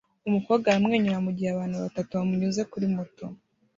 Umukobwa aramwenyura mugihe abantu batatu bamunyuze kuri moto